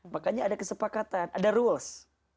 makanya ada kesepakatan ada rules